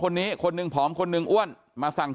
อยู่ดีมาตายแบบเปลือยคาห้องน้ำได้ยังไง